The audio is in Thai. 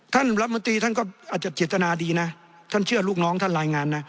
ท่านรัฐมนตรีท่านก็อาจจะเจตนาดีนะท่านเชื่อลูกน้องท่านรายงานนะ